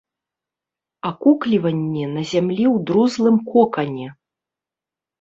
Акукліванне на зямлі ў друзлым кокане.